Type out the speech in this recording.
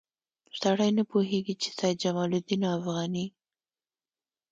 سړی نه پوهېږي چې سید جمال الدین افغاني.